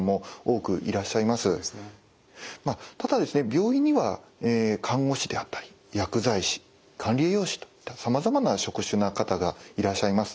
病院には看護師であったり薬剤師管理栄養士といったさまざまな職種の方がいらっしゃいます。